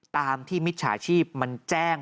ตามที่มิจฉาชีพมันแจ้ง